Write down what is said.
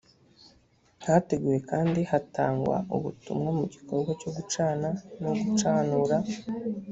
hateguwe kandi hatangwa ubutumwa mu gikorwa cyo gucana no gucanura